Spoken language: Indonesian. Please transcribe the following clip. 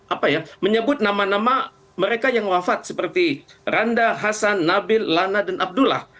apa ya menyebut nama nama mereka yang wafat seperti randa hasan nabil lana dan abdullah